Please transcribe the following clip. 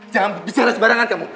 jangan bicara sembarangan kamu